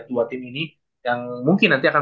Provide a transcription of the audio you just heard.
buat tim ini yang mungkin nanti akan